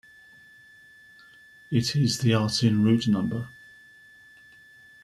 It is the Artin root number.